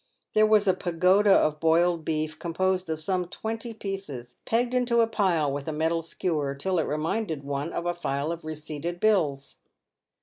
There was a pagoda of boiled beef, composed of some twenty pieces pegged into a pile with a metal skewer, till it reminded one of a file of receipted bills.